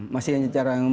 masih hanya cara yang umum